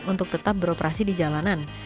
untuk tetap beroperasi di jalanan